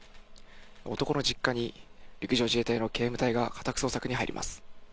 男の実家に陸上自衛隊の警務隊が家宅捜索に入ります。